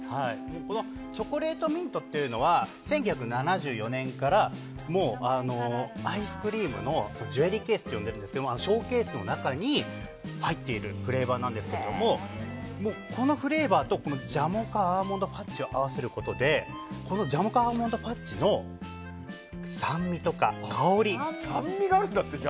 チョコレートミントというのは１９７４年からアイスクリームのジュエリーケースって呼んでるんですけどショーケースの中に入っているフレーバーなんですけどこのフレーバーとジャモカアーモンドファッジを合わせることでジャモカアーモンドファッジの酸味とか香り。